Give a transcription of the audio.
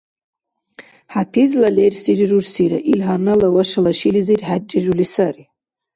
ХӀяпизла лерсири рурсира, ил гьанна Лавашала шилизир хӀеррирули сари.